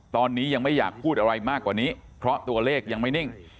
ตอนนี้ยังไม่อยากพูดอะไรมากกว่านี้เพราะตัวเลขยังไม่นิ่ง